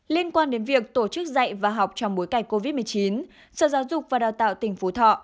liên quan đến việc tổ chức dạy và học trong bối cảnh covid một mươi chín sở giáo dục và đào tạo tỉnh phú thọ